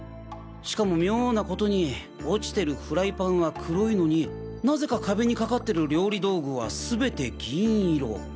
しかも妙なコトに落ちてるフライパンは黒いのになぜか壁にかかってる料理道具は全て銀色。